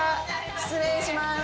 失礼します。